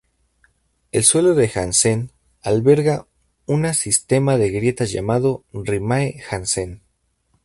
El suelo de Janssen alberga una sistema de grietas llamado "Rimae Janssen".